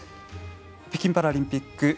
北京パラリンピック